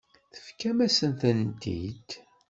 Tefkam-asent-tent-id.